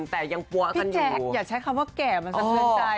แต่ยังปว๊ะกันอยู่พี่แจ๊กอย่าใช้คำว่าแก่มันสะเทือนใจ